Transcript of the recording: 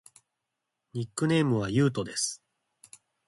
ニックネームはゆうとです。